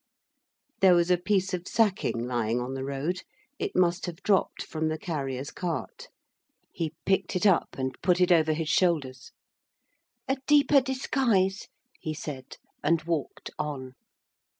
There was a piece of sacking lying on the road; it must have dropped from the carrier's cart. He picked it up and put it over his shoulders. 'A deeper disguise,' he said, and walked on.